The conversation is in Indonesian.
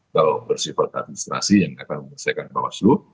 kalau bersifat administrasi yang akan menyelesaikan bawaslu